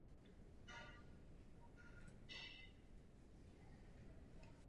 Turnaj se konal v americkém Anaheimu.